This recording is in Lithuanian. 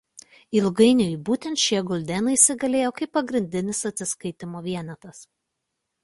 Ilgainiui būtent šie guldenai įsigalėjo kaip pagrindinis atsiskaitymo vienetas.